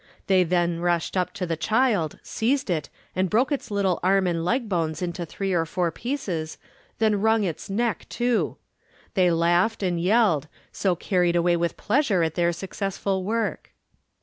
They then rushed up to the child, seized it and broke its little arm and leg bones into three or four pieces, then wrung its neck too. They laughed and yelled, so carried away with pleasure at their successful work.